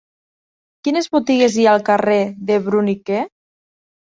Quines botigues hi ha al carrer de Bruniquer?